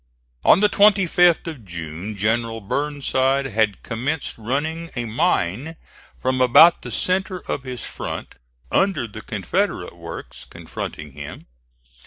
On the 25th of June General Burnside had commenced running a mine from about the centre of his front under the Confederate works confronting him.